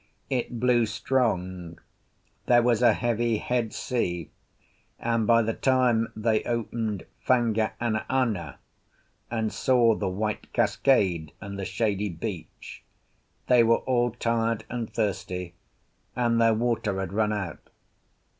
It blew strong, there was a heavy head sea, and by the time they opened Fanga anaana, and saw the white cascade and the shady beach, they were all tired and thirsty, and their water had run out.